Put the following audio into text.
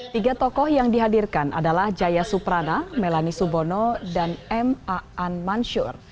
tiga tokoh yang dihadirkan adalah jaya suprana melanie subono dan m a an mansur